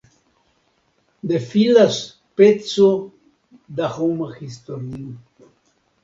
Defilas peco da homa historio.